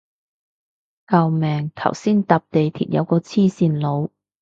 救命頭先搭地鐵有個黐線佬